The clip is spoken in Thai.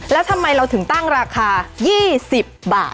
แล้วทำไมเราถึงตั้งราคา๒๐บาท